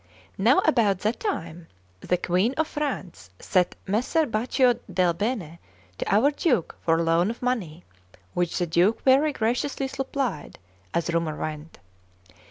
Now about that time the Queen of France sent Messer Baccio del Bene to our Duke for a loan of money, which the Duke very graciously supplied, as rumour went.